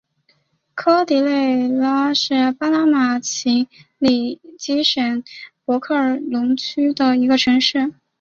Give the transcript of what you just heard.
科迪勒拉是巴拿马奇里基省博克龙区的一个城市。